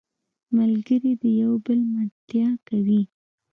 ملګری د یو بل ملتیا کوي